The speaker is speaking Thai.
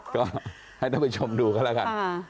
ก็ให้ท่านไปชมดูกันล่ะค่ะ